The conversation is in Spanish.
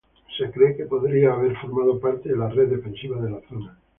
Se cree que podría haber formado parte de la red defensiva de la zona.